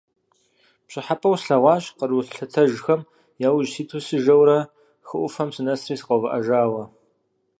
Пщӏыхьэпӏэу слъэгъуащ къру лъэтэжхэм яужь ситу сыжэурэ, хы ӏуфэм сынэсри сыкъэувыӏэжауэ.